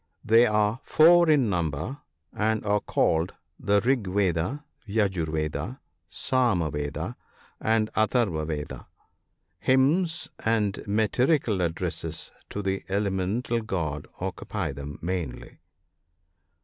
They are four in number, and are called the Rig Veda, Yajur Veda, Sama Veda, and Atharva Veda, Hymns and metrical addresses to the elemental gods occupy them mainly.